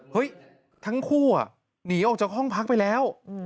ทั้งคู่หนีออกจากห้องพักไปแล้ว